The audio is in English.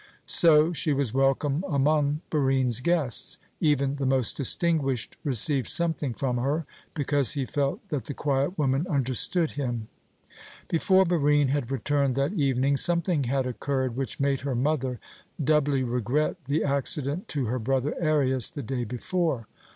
So she was welcome among Barine's guests. Even the most distinguished received something from her, because he felt that the quiet woman understood him. Before Barine had returned that evening, something had occurred which made her mother doubly regret the accident to her brother Arius the day before.